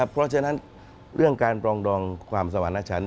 เพราะฉะนั้นเรื่องการปรองดองความสวรรณชัน